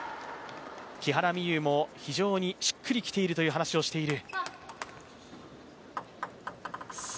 木原美悠も、非常にしっくり来ているという話をしている。